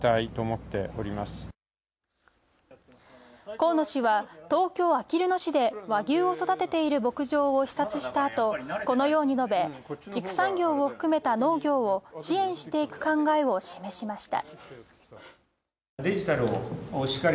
河野氏は東京・あきる野市で和牛を育てている牧場を視察したあと、このように述べ畜産業を含めた農業を支援していく考えを示しました。